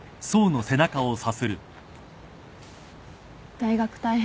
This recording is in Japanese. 大学大変？